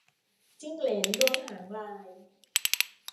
จิ้งเหลนด้วงหางลาย